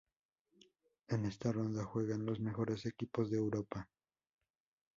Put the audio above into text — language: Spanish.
En esta ronda juegan los mejores equipos de Europa.